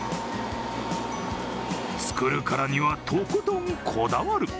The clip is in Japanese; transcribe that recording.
作るからにはとことんこだわる。